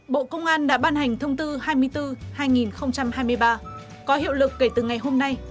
bộ công an đã ban hành thông tư hai mươi bốn hai nghìn hai mươi ba có hiệu lực kể từ ngày hôm nay